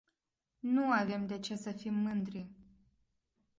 Nu avem de ce să fim mândri.